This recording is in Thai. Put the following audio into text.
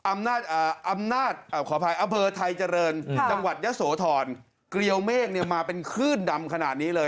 ขออภัยอำเภอไทยเจริญจังหวัดยะโสธรเกลียวเมฆเนี่ยมาเป็นคลื่นดำขนาดนี้เลย